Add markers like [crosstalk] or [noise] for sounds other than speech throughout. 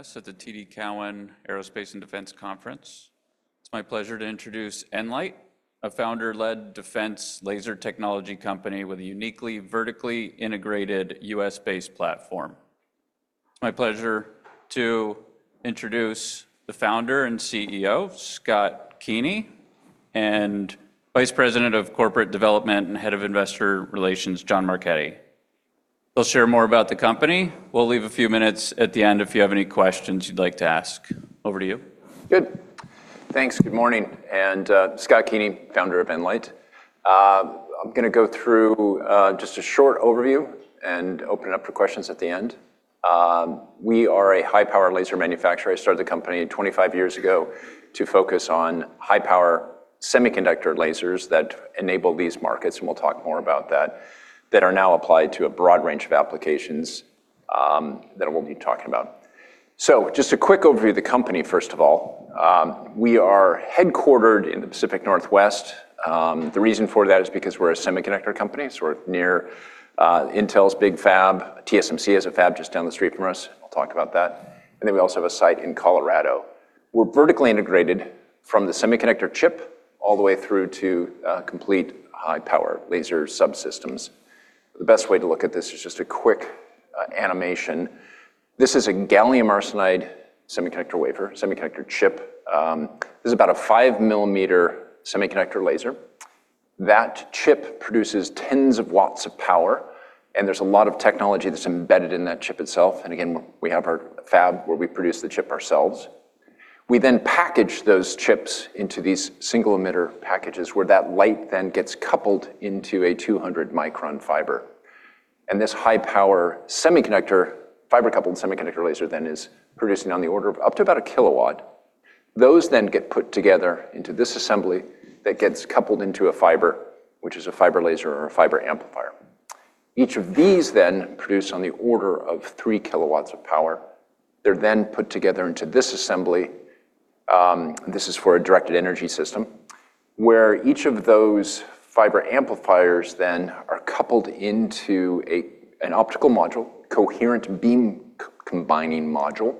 Yes, at the TD Cowen Aerospace and Defense Conference. It's my pleasure to introduce nLIGHT, a founder-led defense laser technology company with a uniquely vertically integrated U.S.-based platform. It's my pleasure to introduce the founder and CEO, Scott Keeney, and Vice President of Corporate Development and Head of Investor Relations, John Marchetti. They'll share more about the company. We'll leave a few minutes at the end if you have any questions you'd like to ask. Over to you. Good. Thanks. Good morning. And, Scott Keeney, founder of nLIGHT. I'm going to go through just a short overview and open it up for questions at the end. We are a high-power laser manufacturer. I started the company 25 years ago to focus on high-power semiconductor lasers that enable these markets, and we'll talk more about that, that are now applied to a broad range of applications, that we'll be talking about. So just a quick overview of the company, first of all. We are headquartered in the Pacific Northwest. The reason for that is because we're a semiconductor company, so we're near Intel's big fab. TSMC has a fab just down the street from us. I'll talk about that. And then we also have a site in Colorado. We're vertically integrated from the semiconductor chip all the way through to complete high-power laser subsystems. The best way to look at this is just a quick animation. This is a gallium arsenidesemiconductor wafer, semiconductor chip. This is about a 5-millimeter semiconductor laser. That chip produces tens of watts of power, and there's a lot of technology that's embedded in that chip itself. And again, we have our fab where we produce the chip ourselves. We then package those chips into these single-emitter packages where that light then gets coupled into a 200-micron fiber. And this high-power semiconductor fiber-coupled semiconductor laser then is producing on the order of up to about 1 kW. Those then get put together into this assembly that gets coupled into a fiber, which is a fiber laser or a fiber amplifier. Each of these then produce on the order of 3 kW of power. They're then put together into this assembly. This is for a directed energy system where each of those fiber amplifiers then are coupled into an optical module, coherent beam-combining module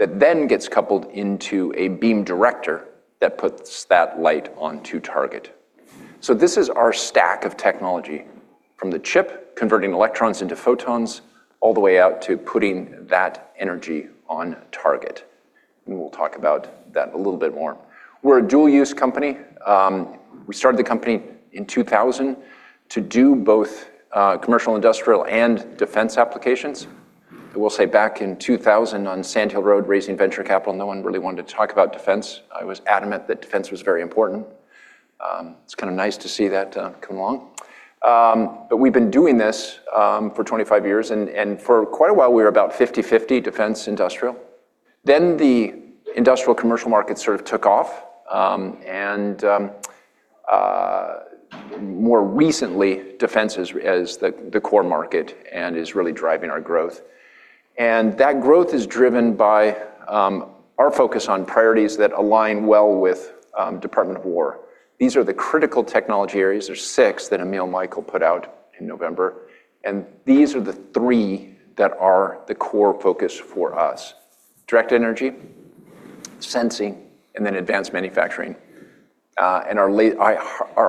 that then gets coupled into a beam director that puts that light onto target. So this is our stack of technology from the chip converting electrons into photons all the way out to putting that energy on target. And we'll talk about that a little bit more. We're a dual-use company. We started the company in 2000 to do both, commercial, industrial, and defense applications. I will say back in 2000 on Sand Hill Road raising venture capital, no one really wanted to talk about defense. I was adamant that defense was very important. It's kind of nice to see that coming along. But we've been doing this for 25 years, and for quite a while, we were about 50/50 defense-industrial. Then the industrial-commercial market sort of took off, and, more recently, defense is the core market and is really driving our growth. And that growth is driven by our focus on priorities that align well with Department of War. These are the critical technology areas. There's six that Emil Michael put out in November, and these are the three that are the core focus for us: directed energy, sensing, and then advanced manufacturing. And our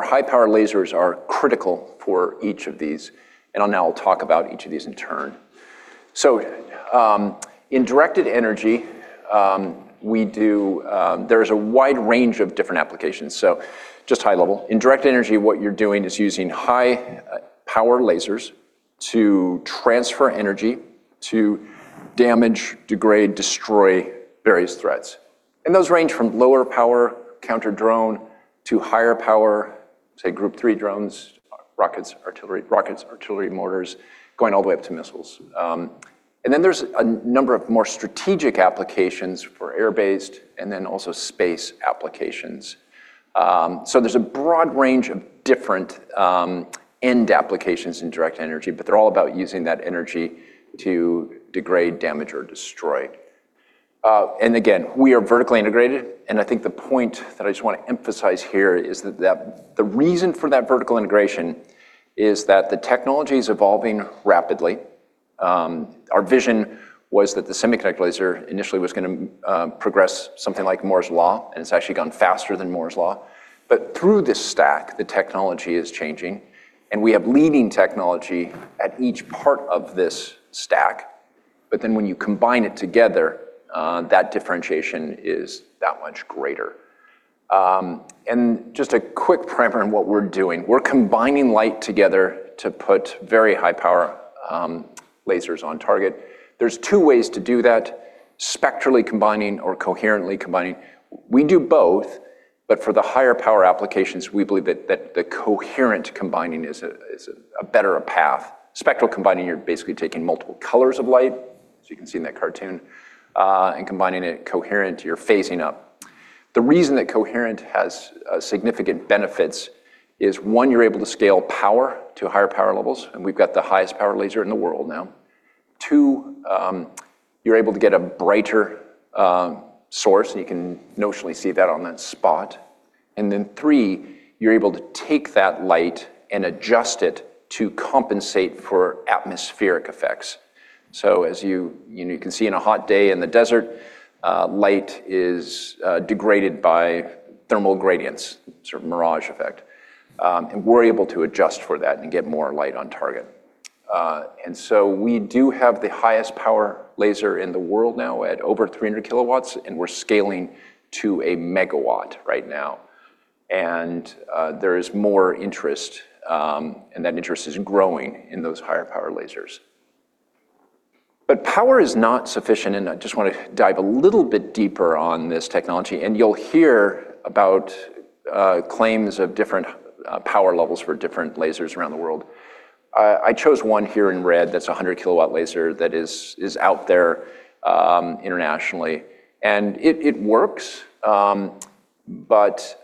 high-power lasers are critical for each of these, and I'll talk about each of these in turn. So, in directed energy, there's a wide range of different applications. So just high level, in directed energy, what you're doing is using high-power lasers to transfer energy, to damage, degrade, destroy various threats. Those range from lower power counter-drone to higher power, say, Group three drones, rockets, artillery rockets, artillery mortars, going all the way up to missiles. Then there's a number of more strategic applications for air-based and then also space applications. There's a broad range of different end applications in directed energy, but they're all about using that energy to degrade, damage, or destroy. Again, we are vertically integrated, and I think the point that I just want to emphasize here is that that the reason for that vertical integration is that the technology is evolving rapidly. Our vision was that the semiconductor laser initially was going to progress something like Moore's Law, and it's actually gone faster than Moore's Law. Through this stack, the technology is changing, and we have leading technology at each part of this stack. But then when you combine it together, that differentiation is that much greater. And just a quick primer on what we're doing. We're combining light together to put very high-power lasers on target. There's two ways to do that: spectrally combining or coherently combining. We do both, but for the higher power applications, we believe that, that the coherent combining is a is a better path. Spectral combining, you're basically taking multiple colors of light, as you can see in that cartoon, and combining it coherently. You're phasing up. The reason that coherent has significant benefits is, one, you're able to scale power to higher power levels, and we've got the highest power laser in the world now. Two, you're able to get a brighter source, and you can notionally see that on that spot. And then three, you're able to take that light and adjust it to compensate for atmospheric effects. So as you, you know, you can see in a hot day in the desert, light is degraded by thermal gradients, sort of mirage effect. And we're able to adjust for that and get more light on target. And so we do have the highest power laser in the world now at over 300 kW, and we're scaling to 1 MW right now. And there is more interest, and that interest is growing in those higher power lasers. But power is not sufficient, and I just want to dive a little bit deeper on this technology. And you'll hear about claims of different power levels for different lasers around the world. I chose one here in red that's a 100-kW laser that is out there, internationally. And it works, but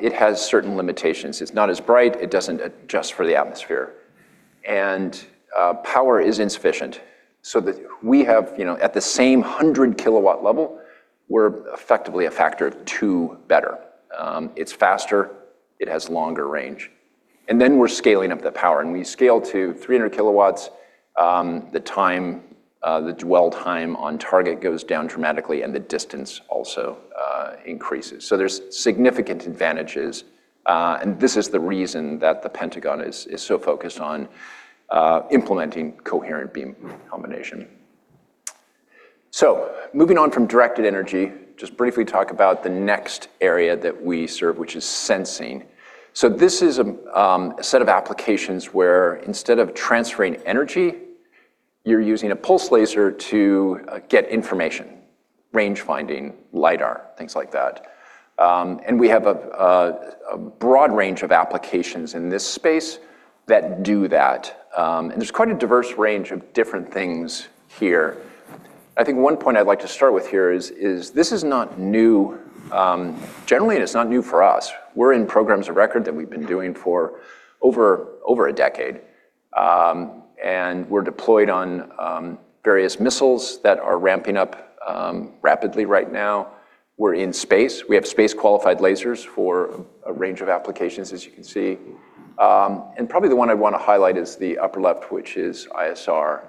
it has certain limitations. It's not as bright. It doesn't adjust for the atmosphere. And power is insufficient. So that we have, you know, at the same 100-kW level, we're effectively a factor of two better. It's faster. It has longer range. And then we're scaling up the power. And we scale to 300 kW. The time, the dwell time on target goes down dramatically, and the distance also increases. So there's significant advantages. And this is the reason that the Pentagon is so focused on implementing coherent beam combination. So moving on from directed energy, just briefly talk about the next area that we serve, which is sensing. So this is a set of applications where instead of transferring energy, you're using a pulse laser to get information, range finding, LiDAR, things like that. We have a broad range of applications in this space that do that. And there's quite a diverse range of different things here. I think one point I'd like to start with here is this is not new. Generally, it's not new for us. We're in programs of record that we've been doing for over a decade. And we're deployed on various missiles that are ramping up rapidly right now. We're in space. We have space-qualified lasers for a range of applications, as you can see. And probably the one I'd want to highlight is the upper left, which is ISR.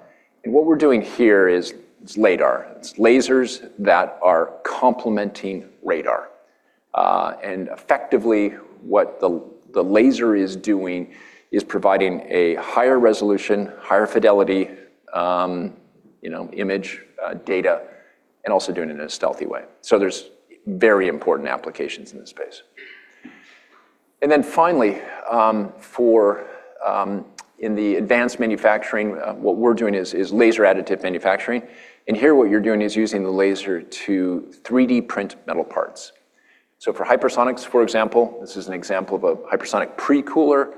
And what we're doing here is LiDAR. It's lasers that are complementing radar. And effectively, what the laser is doing is providing a higher resolution, higher fidelity, you know, image, data, and also doing it in a stealthy way. So there's very important applications in this space. And then finally, for, in the advanced manufacturing, what we're doing is laser additive manufacturing. And here what you're doing is using the laser to 3D print metal parts. So for hypersonics, for example, this is an example of a hypersonic precooler.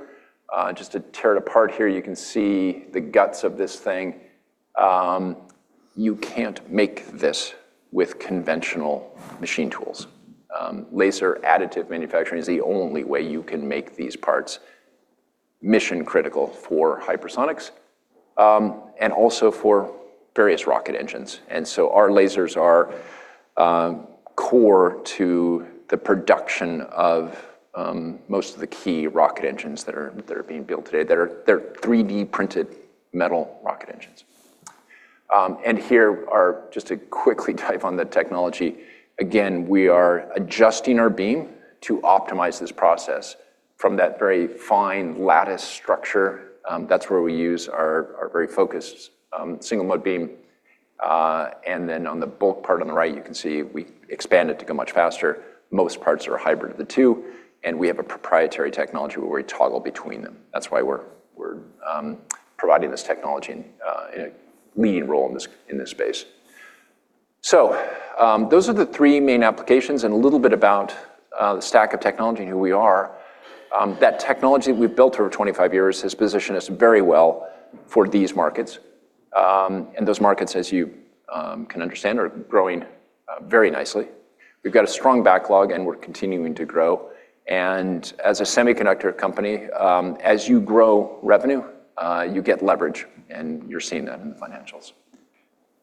Just to tear it apart here, you can see the guts of this thing. You can't make this with conventional machine tools. Laser additive manufacturing is the only way you can make these parts mission-critical for hypersonics, and also for various rocket engines. And so our lasers are core to the production of most of the key rocket engines that are being built today that are 3D-printed metal rocket engines. And here are just to quickly dive on the technology. Again, we are adjusting our beam to optimize this process from that very fine lattice structure. That's where we use our very focused, single-mode beam. And then on the bulk part on the right, you can see we expand it to go much faster. Most parts are a hybrid of the two, and we have a proprietary technology where we toggle between them. That's why we're providing this technology in a leading role in this space. So, those are the three main applications and a little bit about the stack of technology and who we are. That technology that we've built over 25 years has positioned us very well for these markets. And those markets, as you can understand, are growing very nicely. We've got a strong backlog, and we're continuing to grow. And as a semiconductor company, as you grow revenue, you get leverage, and you're seeing that in the financials.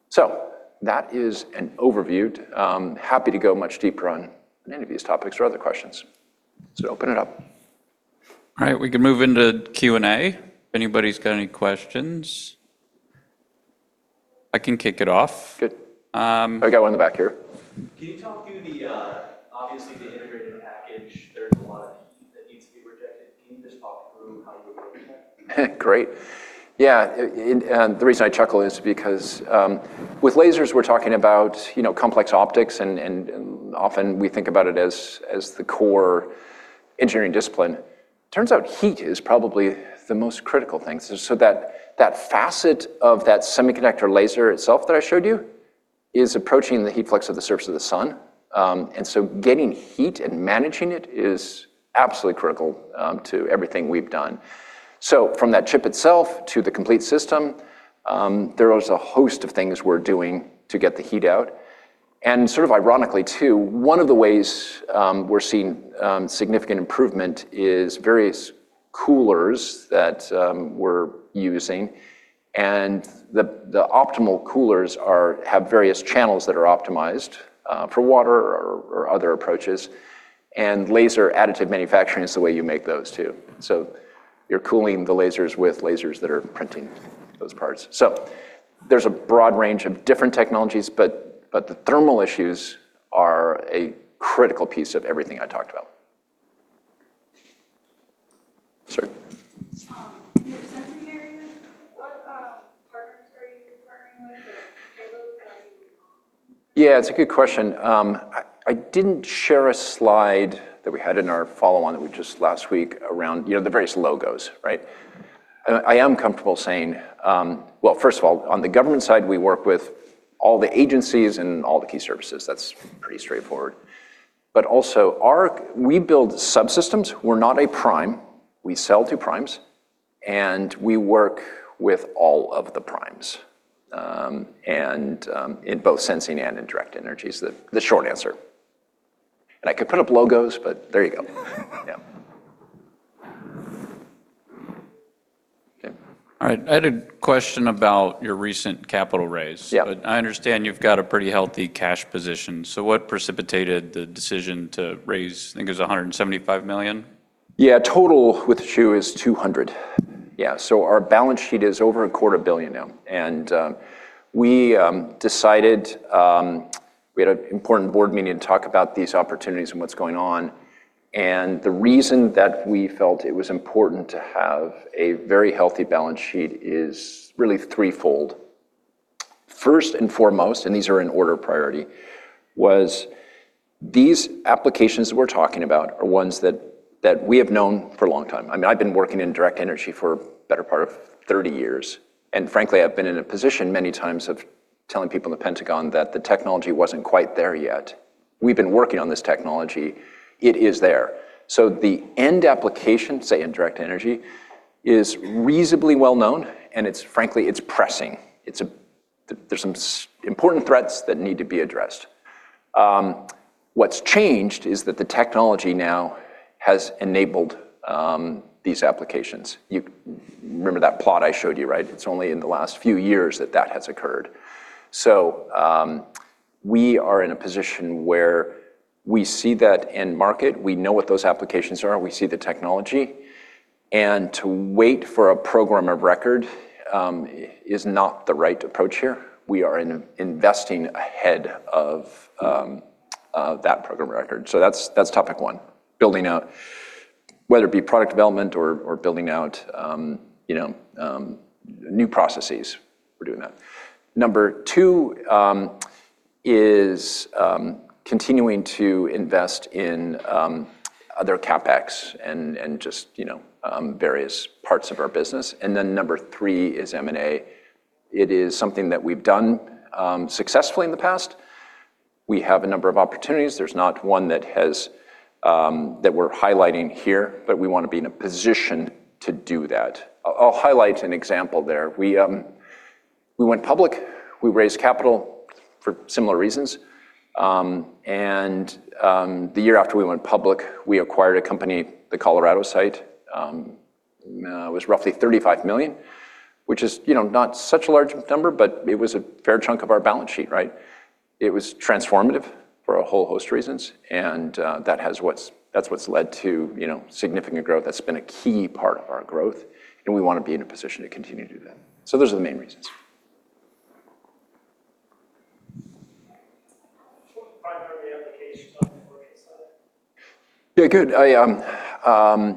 So that is an overview. Happy to go much deeper on any of these topics or other questions. Open it up. All right. We can move into Q&A. If anybody's got any questions, I can kick it off. Good. I've got one in the back here. Can you talk through the, obviously, the integrated package? [audio distortion] Great. Yeah. And the reason I chuckle is because, with lasers, we're talking about, you know, complex optics, and often we think about it as the core engineering discipline. Turns out heat is probably the most critical thing. So that facet of that semiconductor laser itself that I showed you is approaching the heat flux of the surface of the sun. And so getting heat and managing it is absolutely critical to everything we've done. So from that chip itself to the complete system, there was a host of things we're doing to get the heat out. And sort of ironically, too, one of the ways we're seeing significant improvement is various coolers that we're using. And the optimal coolers have various channels that are optimized for water or other approaches. And laser additive manufacturing is the way you make those too. So you're cooling the lasers with lasers that are printing those parts. So there's a broad range of different technologies, but the thermal issues are a critical piece of everything I talked about. Sorry. Scott, in your sensory area, what partners are you partnering with, [audio distortion] Yeah, it's a good question. I didn't share a slide that we had in our follow-on that we just last week around, you know, the various logos, right? I am comfortable saying, well, first of all, on the government side, we work with all the agencies and all the key services. That's pretty straightforward. But also we build subsystems. We're not a prime. We sell to primes, and we work with all of the primes. And in both sensing and in directed energy is the short answer. And I could put up logos, but there you go. Yeah. Okay. All right. I had a question about your recent capital raise. Yeah. I understand you've got a pretty healthy cash position. What precipitated the decision to raise? I think it was $175 million. Yeah. Total with greenshoe is $200 million. Yeah. So our balance sheet is over $250 million now. And we decided we had an important board meeting to talk about these opportunities and what's going on. And the reason that we felt it was important to have a very healthy balance sheet is really threefold. First and foremost, and these are in order priority, was these applications that we're talking about are ones that we have known for a long time. I mean, I've been working in directed energy for the better part of 30 years, and frankly, I've been in a position many times of telling people in the Pentagon that the technology wasn't quite there yet. We've been working on this technology. It is there. So the end application, say, in directed energy, is reasonably well known, and it's frankly pressing. There's some important threats that need to be addressed. What's changed is that the technology now has enabled these applications. You remember that plot I showed you, right? It's only in the last few years that that has occurred. So, we are in a position where we see that end market. We know what those applications are. We see the technology. And to wait for a program of record is not the right approach here. We are investing ahead of that program of record. So that's topic one, building out whether it be product development or building out, you know, new processes. We're doing that. Number two is continuing to invest in other CapEx and just, you know, various parts of our business. And then number three is M&A. It is something that we've done successfully in the past. We have a number of opportunities. There's not one that has that we're highlighting here, but we want to be in a position to do that. I'll highlight an example there. We went public. We raised capital for similar reasons. The year after we went public, we acquired a company, the Colorado site. It was roughly $35 million, which is, you know, not such a large number, but it was a fair chunk of our balance sheet, right? It was transformative for a whole host of reasons. That's what's led to, you know, significant growth. That's been a key part of our growth, and we want to be in a position to continue to do that. So those are the main reasons. [audio distortion] Yeah, good. I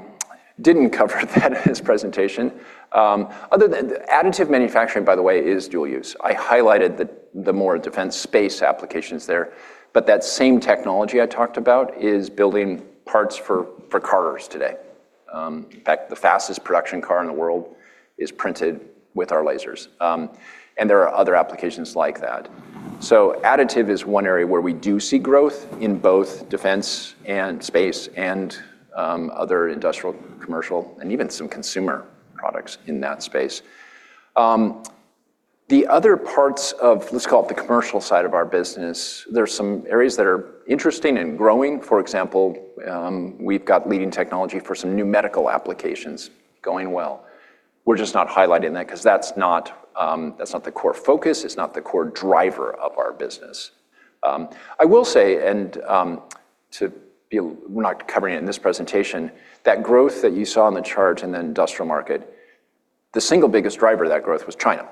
didn't cover that in this presentation. Other than additive manufacturing, by the way, is dual use. I highlighted the more defense space applications there, but that same technology I talked about is building parts for cars today. In fact, the fastest production car in the world is printed with our lasers. And there are other applications like that. So additive is one area where we do see growth in both defense and space and other industrial, commercial, and even some consumer products in that space. The other parts of let's call it the commercial side of our business. There's some areas that are interesting and growing. For example, we've got leading technology for some new medical applications going well. We're just not highlighting that 'cause that's not, that's not the core focus. It's not the core driver of our business. I will say, and to be, we're not covering it in this presentation, that growth that you saw in the charts in the industrial market, the single biggest driver of that growth was China.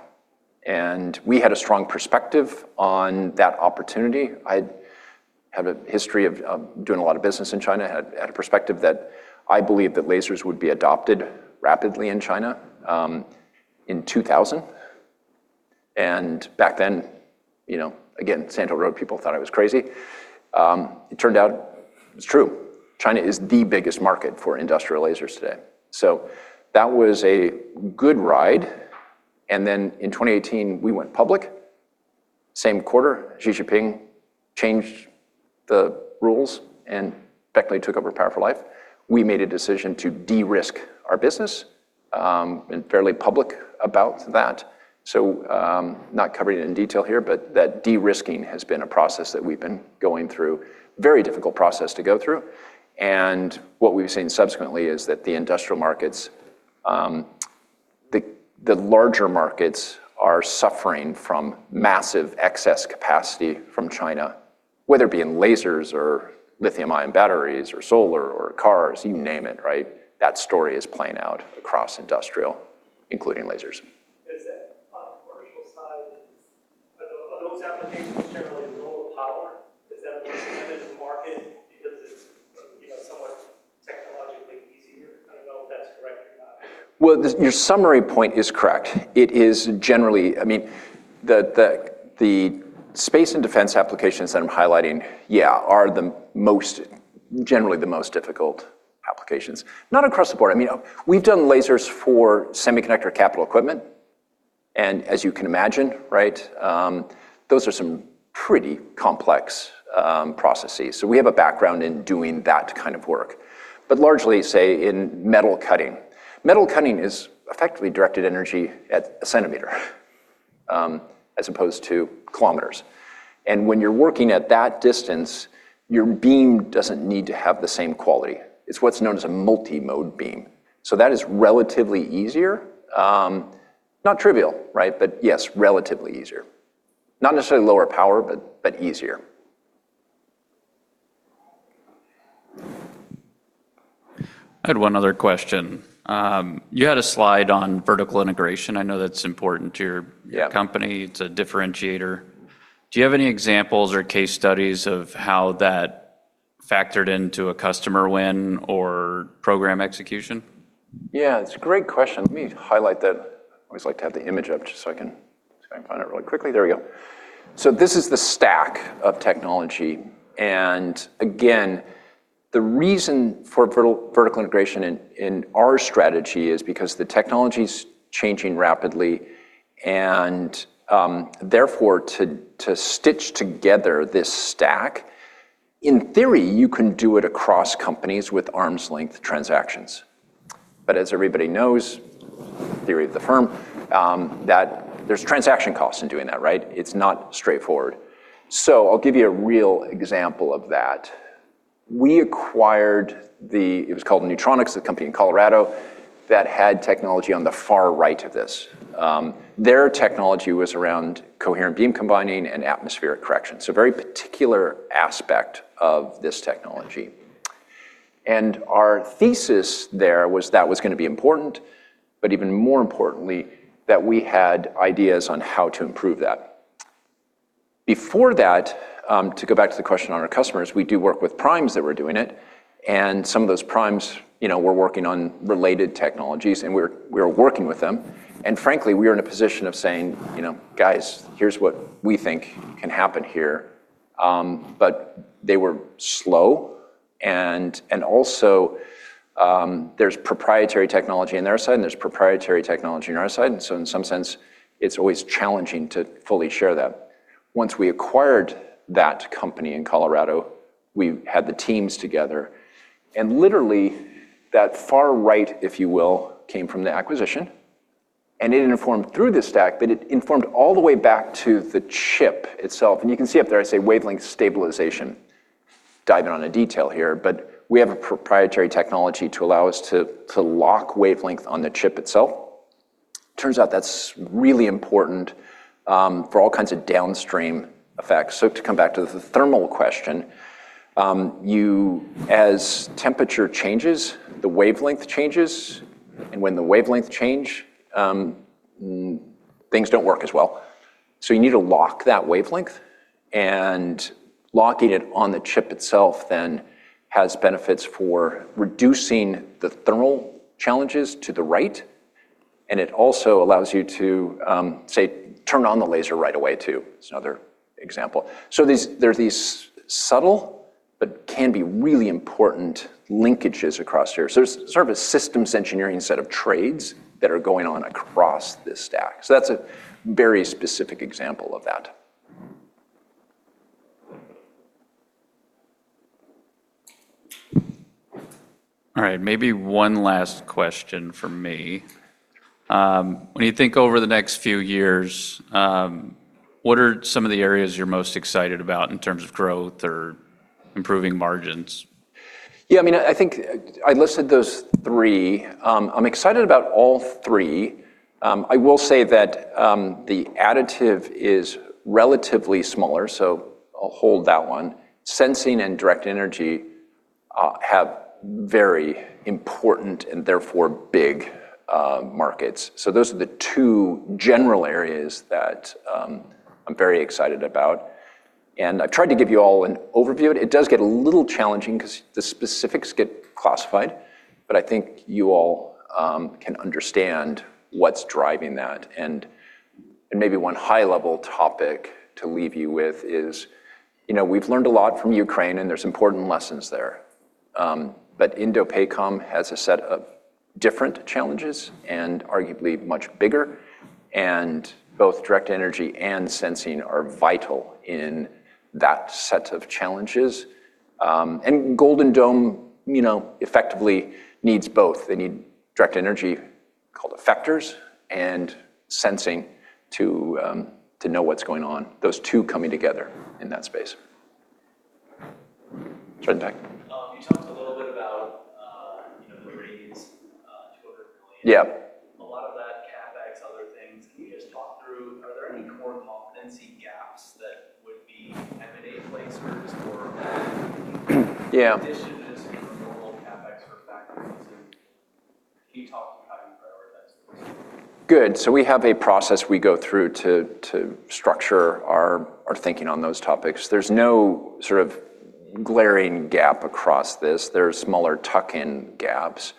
And we had a strong perspective on that opportunity. I had a history of doing a lot of business in China, had a perspective that I believed that lasers would be adopted rapidly in China, in 2000. And back then, you know, again, Sand Hill Road people thought I was crazy. It turned out it was true. China is the biggest market for industrial lasers today. So that was a good ride. And then in 2018, we went public. Same quarter. Xi Jinping changed the rules and effectively took over Power for Life. We made a decision to de-risk our business, and fairly public about that. So, not covering it in detail here, but that de-risking has been a process that we've been going through, very difficult process to go through. What we've seen subsequently is that the industrial markets, the larger markets are suffering from massive excess capacity from China, whether it be in lasers or lithium-ion batteries or solar or cars, you name it, right? That story is playing out across industrial, including lasers. Is that on the commercial side, are those applications generally lower power? Is that a percentage of the market because it's, [audio distortion] Well, your summary point is correct. It is generally I mean, the space and defense applications that I'm highlighting, yeah, are the most generally the most difficult applications, not across the board. I mean, we've done lasers for semiconductor capital equipment. And as you can imagine, right, those are some pretty complex processes. So we have a background in doing that kind of work, but largely, say, in metal cutting. Metal cutting is effectively directed energy at a centimeter, as opposed to kilometers. And when you're working at that distance, your beam doesn't need to have the same quality. It's what's known as a multi-mode beam. So that is relatively easier, not trivial, right? But yes, relatively easier, not necessarily lower power, but easier. I had one other question. You had a slide on vertical integration. I know that's important to your company. It's a differentiator. Do you have any examples or case studies of how that factored into a customer win or program execution? Yeah, it's a great question. Let me highlight that. I always like to have the image of it just so I can see if I can find it really quickly. There we go. So this is the stack of technology. And again, the reason for vertical integration in our strategy is because the technology's changing rapidly and, therefore to stitch together this stack, in theory, you can do it across companies with arm's length transactions. But as everybody knows, theory of the firm, that there's transaction costs in doing that, right? It's not straightforward. So I'll give you a real example of that. We acquired the it was called Nutronics, a company in Colorado that had technology on the far right of this. Their technology was around coherent beam combining and atmospheric correction, so a very particular aspect of this technology. And our thesis there was that was gonna be important, but even more importantly, that we had ideas on how to improve that. Before that, to go back to the question on our customers, we do work with primes that were doing it. And some of those primes, you know, were working on related technologies, and we're, we were working with them. And frankly, we were in a position of saying, you know, guys, here's what we think can happen here. But they were slow. And also, there's proprietary technology on their side, and there's proprietary technology on our side. And so in some sense, it's always challenging to fully share that. Once we acquired that company in Colorado, we had the teams together. And literally, that far right, if you will, came from the acquisition. It informed through the stack, but it informed all the way back to the chip itself. You can see up there, I say wavelength stabilization. Diving on a detail here, but we have a proprietary technology to allow us to, to lock wavelength on the chip itself. Turns out that's really important, for all kinds of downstream effects. So to come back to the thermal question, as temperature changes, the wavelength changes. And when the wavelength change, things don't work as well. So you need to lock that wavelength. And locking it on the chip itself then has benefits for reducing the thermal challenges to the right. And it also allows you to, say, turn on the laser right away too. It's another example. So these there's these subtle but can be really important linkages across here. There's sort of a systems engineering set of trades that are going on across this stack. That's a very specific example of that. All right. Maybe one last question for me. When you think over the next few years, what are some of the areas you're most excited about in terms of growth or improving margins? Yeah, I mean, I think I listed those three. I'm excited about all three. I will say that the additive is relatively smaller, so I'll hold that one. Sensing and directed energy have very important and therefore big markets. So those are the two general areas that I'm very excited about. And I've tried to give you all an overview of it. It does get a little challenging 'cause the specifics get classified, but I think you all can understand what's driving that. And maybe one high-level topic to leave you with is, you know, we've learned a lot from Ukraine, and there's important lessons there. But USINDOPACOM has a set of different challenges and arguably much bigger. And both directed energy and sensing are vital in that set of challenges. And Golden Dome, you know, effectively needs both. They need directed energy effectors and sensing to know what's going on, those two coming together in that space. Sorry, Matt. [audio distortion] [audio distortion] A lot of that CapEx, other things. Can you just talk through are there any core competency gaps that would be M&A placers or additional in addition to just, you know, normal CapEx for factories? And can you talk through how you prioritize those? Good. So we have a process we go through to structure our thinking on those topics. There's no sort of glaring gap across this. There are smaller tuck-in gaps.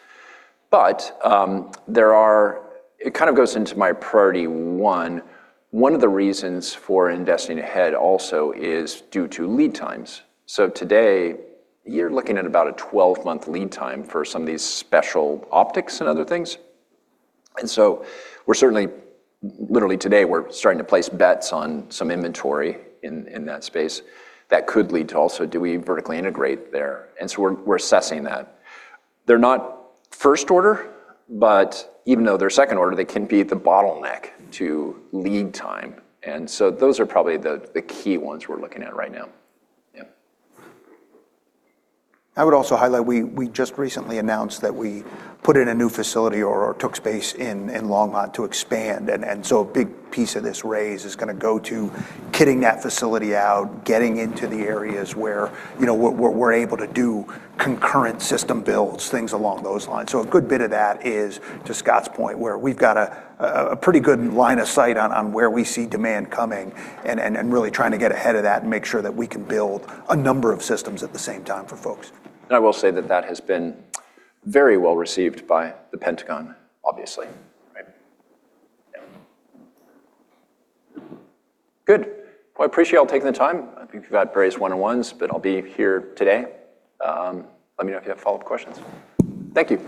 But there, it kind of goes into my priority one. One of the reasons for investing ahead also is due to lead times. So today, you're looking at about a 12-month lead time for some of these special optics and other things. And so we're certainly literally today, we're starting to place bets on some inventory in that space that could lead to also, do we vertically integrate there? And so we're assessing that. They're not first order, but even though they're second order, they can be the bottleneck to lead time. And so those are probably the key ones we're looking at right now. Yeah. I would also highlight we just recently announced that we put in a new facility or took space in Longmont to expand. And so a big piece of this raise is gonna go to kitting that facility out, getting into the areas where, you know, we're able to do concurrent system builds, things along those lines. So a good bit of that is to Scott's point where we've got a pretty good line of sight on where we see demand coming and really trying to get ahead of that and make sure that we can build a number of systems at the same time for folks. I will say that that has been very well received by the Pentagon, obviously, right? Yeah. Good. Well, I appreciate all taking the time. I think we've got various one-on-ones, but I'll be here today. Let me know if you have follow-up questions. Thank you.